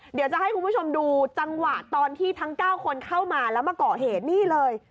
เดี๋ยวจะให้คุณผู้ชมดูจังหวะตอนที่ทั้ง๙คนเข้ามาแล้วมาก่อเหตุนี่เลย